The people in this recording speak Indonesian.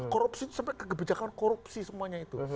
korupsi itu sampai ke kebijakan korupsi semuanya itu